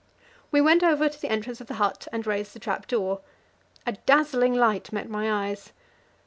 We went over to the entrance of the hut and raised the trap door; a dazzling light met my eyes.